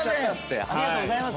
ありがとうございます。